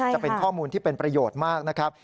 จะเป็นข้อมูลที่เป็นประโยชน์มากนะครับ